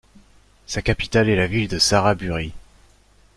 Sa capitale est la ville de Saraburi.